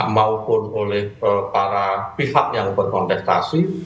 maupun oleh para pihak yang berkontestasi